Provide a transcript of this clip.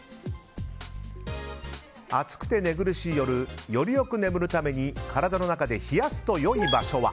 暑くて寝苦しい夜より良く眠るために体の中で冷やすと良い場所は？